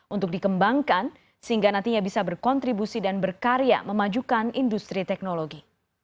untuk dikembangkan sehingga nantinya bisa berkontribusi dan berkarya memajukan industri teknologi